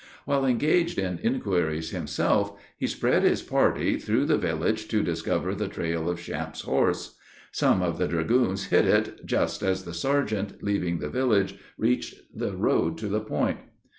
While engaged in inquiries himself, he spread his party through the village to discover the trail of Champe's horse. Some of the dragoons hit it, just as the sergeant, leaving the village, reached the road to the point.